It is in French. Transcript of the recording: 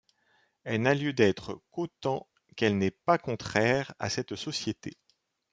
Elle n'a lieu d'être qu'autant qu'elle n'est pas contraire à cette société.